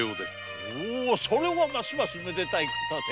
それはますますめでたいことで。